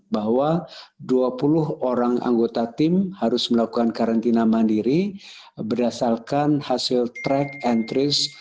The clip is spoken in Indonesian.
bahwa dua puluh orang anggota tim harus melakukan karantina mandiri berdasarkan hasil track and trace